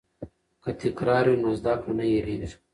که تکرار وي نو زده کړه نه هېریږي.